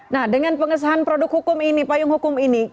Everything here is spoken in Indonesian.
nah dengan pengesahan produk hukum ini payung hukum ini